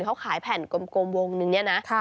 เขาขายแผ่นกลมวงนึงเนี่ยนะ